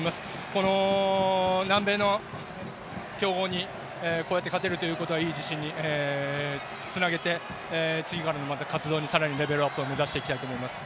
この南米の強豪にこうやって勝てるということはいい自信につなげて、次からの活動に更にレベルアップしていきたいと思います。